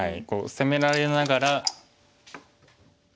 攻められながら。